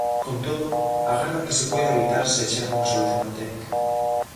Con todo, agardan que se poida evitar se chega unha solución a tempo.